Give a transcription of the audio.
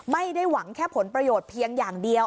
ไม่ได้หวังแค่ผลประโยชน์เพียงอย่างเดียว